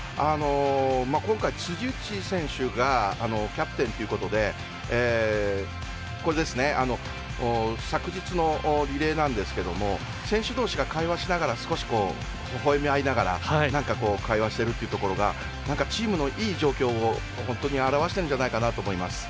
今回、辻内選手がキャプテンということで昨日のリレーなんですけども選手同士が会話しながら少しほほえみあいながら会話しているというところがチームのいい状況を本当に表しているんじゃないかなと思います。